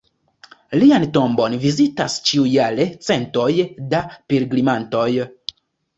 Lian tombon vizitas ĉiujare centoj da pilgrimantoj.